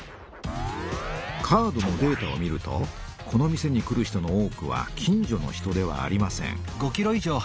カードのデータを見るとこの店に来る人の多くは近所の人ではありません。